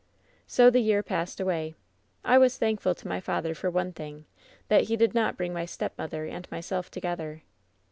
"So the year passed away. I was thankful to my father for one thing — ^that he did not bring my step mother and myself together.